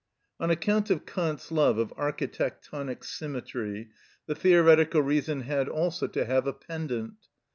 On account of Kant's love of architectonic symmetry, the theoretical reason had also to have a pendant.